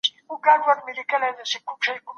نړیوال ثبات د هیوادونو د ګډ کار پایله ده.